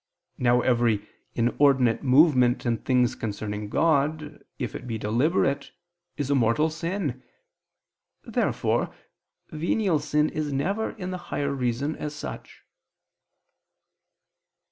Now every inordinate movement in things concerning God, if it be deliberate, is a mortal sin. Therefore venial sin is never in the higher reason as such.